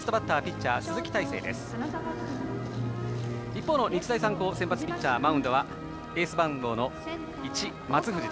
一方の日大三高先発ピッチャーマウンドは、エース番号１の松藤。